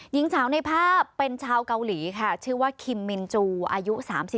หญิงสาวในภาพเป็นชาวเกาหลีค่ะชื่อว่าคิมมินจูอายุ๓๔